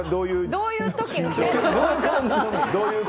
どういう時の。